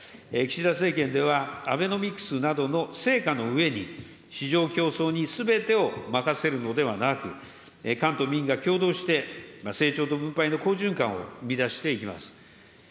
岸田政権では、アベノミクスなどの成果の上に、市場競争にすべてを任せるのではなく、官と民が協働して成長と分配の好循環を生み出していきます。